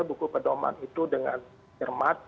buku pedoman itu dengan cermat